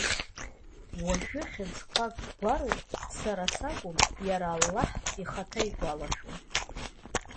Уажәы хьыӡқәак гәароуп, сара сакәым, иара аллаҳ ихаҭа игәалашәом!